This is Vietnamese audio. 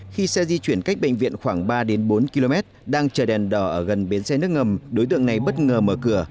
khi xe di chuyển cách bệnh viện khoảng ba bốn km đang chờ đèn đỏ ở gần bến xe nước ngầm đối tượng này bất ngờ mở cửa